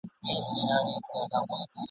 د خنجر عکس به يوسي ..